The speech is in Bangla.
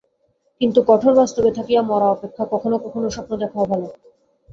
কিন্তু কঠোর বাস্তবে থাকিয়া মরা অপেক্ষা কখনও কখনও স্বপ্ন দেখাও ভাল।